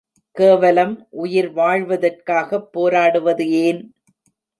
கேவலம் உயிர் வாழ்வதற்காகப் போராடுவது ஏன்?